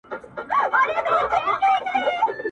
• زما دقام خلګ چي جوړ سي رقيبان ساتي..